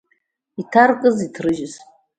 Иҭаркыз иҭрыжьыз.